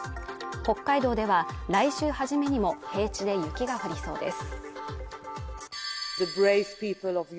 北海道では来週初めにも平地で雪が降りそうです